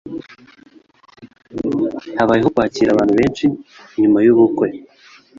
Habayeho kwakira abantu benshi nyuma yubukwe.